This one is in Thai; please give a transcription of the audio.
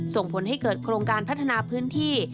ส่งผลให้เกิดโครงการพัฒนาพื้นที่